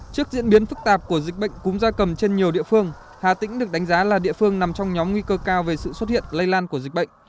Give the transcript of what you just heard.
trước diễn biến phức tạp của dịch bệnh cúm gia cầm trên nhiều địa phương hà tĩnh được đánh giá là địa phương nằm trong nhóm nguy cơ cao về sự xuất hiện lây lan của dịch bệnh